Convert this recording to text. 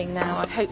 はい。